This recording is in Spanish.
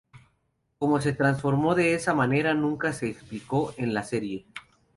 Cómo se transformó de esa manera nunca se explicó en la serie.